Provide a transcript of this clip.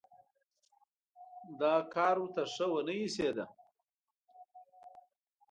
دا کار ورته شه ونه ایسېده.